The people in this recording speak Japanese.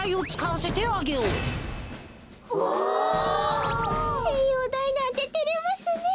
せんようだいなんててれますねえ。